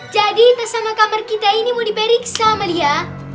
jadi tersama kamar kita ini mau diperiksa melia